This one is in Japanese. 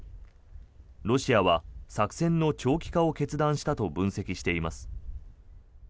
ロシアは作戦の長期化を決断したと分析しています。